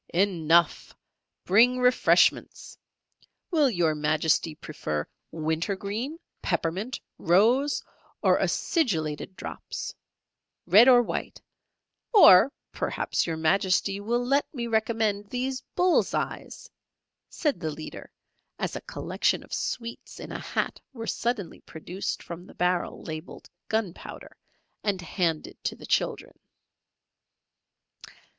"Enough. Bring refreshments. Will Your Majesty prefer winter green, peppermint, rose, or accidulated drops? Red or white? Or perhaps Your Majesty will let me recommend these bull's eyes," said the leader, as a collection of sweets in a hat were suddenly produced from the barrel labelled "Gunpowder" and handed to the children.